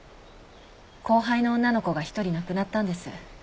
後輩の女の子が一人亡くなったんです。